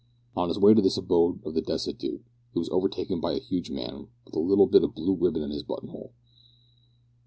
On his way to this abode of the destitute, he was overtaken by a huge man with a little bit of blue ribbon in his button hole.